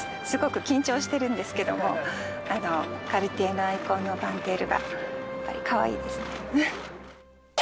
すごく緊張してるんですけども、カルティエのアイコンのパンテールがやっぱりかわいいですね。